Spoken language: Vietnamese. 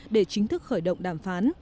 để chính thức khởi động đàm phán